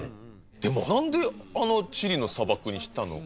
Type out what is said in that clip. でも何であのチリの砂漠にしたの？